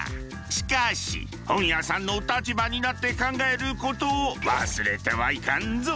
しかし本屋さんの立場になって考えることを忘れてはいかんぞ。